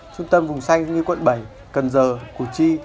trung tâm vùng xanh như quận bảy cần giờ củ chi